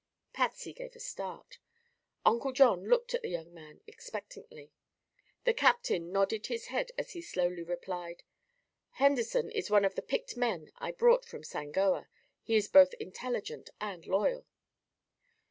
Patsy gave a start; Uncle John looked at the young man expectantly; the captain nodded his head as he slowly replied: "Henderson is one of the picked men I brought from Sangoa. He is both intelligent and loyal."